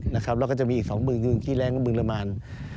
แล้วก็จะมีอีก๒บึงกี่แรงก็บึงละมาน